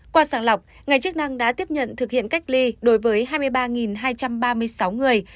qua sàng lọc ngành chức năng đã tiếp nhận thực hiện cách ly đối với hai mươi ba hai trăm ba mươi sáu người